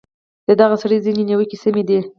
د دغه سړي ځینې نیوکې سمې دي.